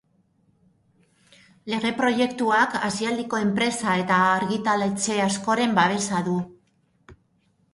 Lege proiektuak aisialdiko enpresa eta argitaletxe askoren babesa du.